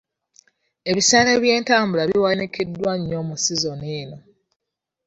Ebisale by'entambula biwanikiddwa nnyo mu sizoni eno.